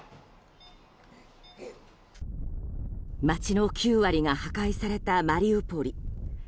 街の９割が破壊されたマリウポリ。